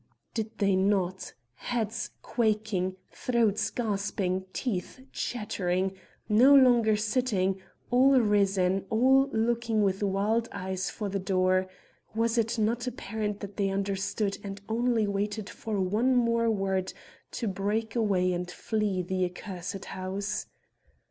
Did they not! Heads quaking, throats gasping, teeth chattering no longer sitting all risen, all looking with wild eyes for the door was it not apparent that they understood and only waited for one more word to break away and flee the accursed house?